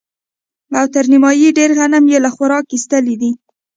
او تر نيمايي ډېر غنم يې له خوراکه ايستلي دي.